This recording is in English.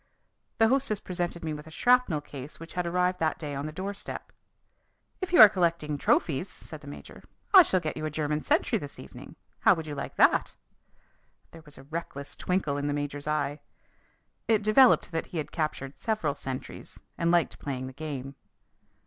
The hostess presented me with a shrapnel case which had arrived that day on the doorstep. "If you are collecting trophies," said the major, "I shall get you a German sentry this evening. How would you like that?" There was a reckless twinkle in the major's eye. It developed that he had captured several sentries and liked playing the game.